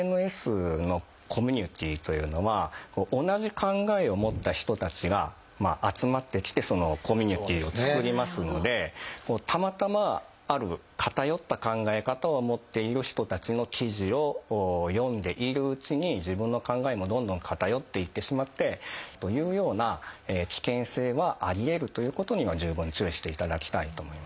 ＳＮＳのコミュニティーというのは同じ考えを持った人たちが集まってきてそのコミュニティーを作りますのでたまたまある偏った考え方を持っている人たちの記事を読んでいるうちに自分の考えもどんどん偏っていってしまってというような危険性はありえるということには十分注意していただきたいと思います。